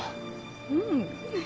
うん。